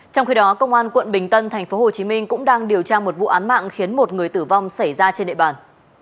trong khi đó công an quận bình tân tp hcm cũng đang điều tra một vụ án mạng khiến một người tử vong xảy ra trên địa bàn